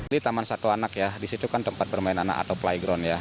di taman satu anak ya di situ kan tempat bermain anak atau playground ya